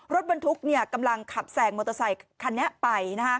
รถบรรทุกกำลังขับแสงมอเตอร์ไซคันนี้ไป